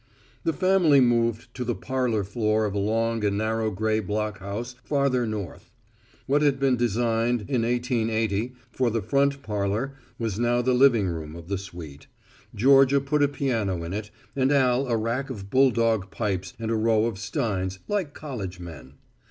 The family moved to the parlor floor of a long and narrow gray block house farther north. What had been designed, in 1880, for the front parlor was now the living room of the suite. Georgia put a piano in it, and Al a rack of bulldog pipes and a row of steins, like college men.